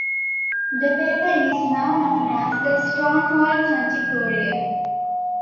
The paper is now known as the "Stonewall County Courier".